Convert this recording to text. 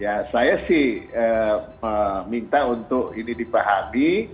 ya saya sih minta untuk ini dipahami